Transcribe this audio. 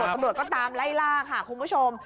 ตำรวจก็ตามไล่ล่าค่ะคุณผู้ชม